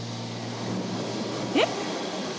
えっ！？